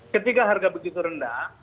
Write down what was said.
ketika harga begitu rendah